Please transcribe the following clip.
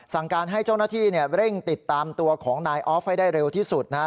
สั่งการให้เจ้าหน้าที่เร่งติดตามตัวของนายออฟให้ได้เร็วที่สุดนะฮะ